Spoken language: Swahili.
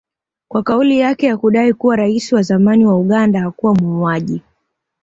kwa kauli yake ya kudai kuwa rais wa zamani wa Uganda hakuwa muuaji